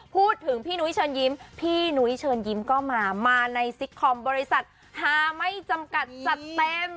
พี่นุ้ยเชิญยิ้มพี่นุ้ยเชิญยิ้มก็มามาในซิกคอมบริษัทฮาไม่จำกัดจัดเต็ม